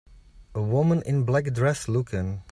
A woman in a black dress looking